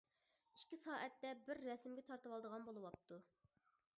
ئىككى سائەتتە بىر رەسىمگە تارتىۋالىدىغان بولۇۋاپتۇ.